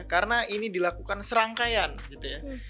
karena ini dilakukan serangkaian gitu ya